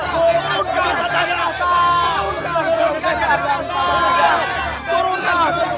siapkan diri kalian